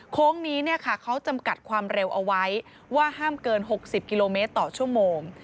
โค้งนี้เขาจำกัดความเร็วเอาไว้ว่าห้ามเกิน๖๐กิโลเมตรต่อชั่วโมง